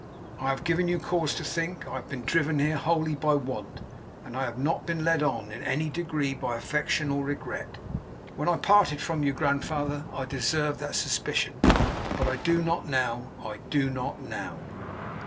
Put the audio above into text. I have given you cause to think I have been driven here wholly by want, and have not been led on, in any degree, by affection or regret. When I parted from you, Grandfather, I deserved that suspicion, but I do not now. I do not now.